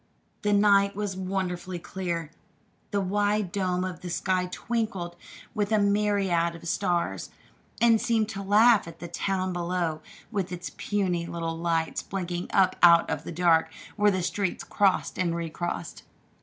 The night was wonderfully clear. The wide dome of the sky twinkled with a myriad of stars, and seemed to laugh at the town below with its puny little lights blinking up out of the dark where the streets crossed and recrossed.